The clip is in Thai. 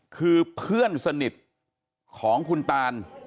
คือเพื่อนสนิทของคุณตาน